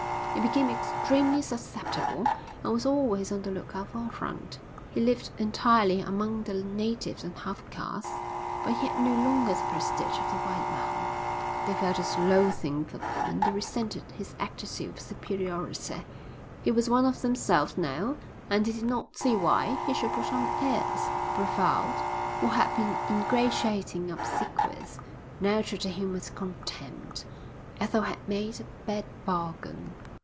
He became extremely susceptible and was always on the lookout for affront. He lived entirely among the natives and half castes, but he had no longer the prestige of the white man. They felt his loathing for them and they resented his attitude of superiority. He was one of themselves now and they did not see why he should put on airs. Brevald, who had been ingratiating and obsequious, now treated him with contempt. Ethel had made a bad bargain.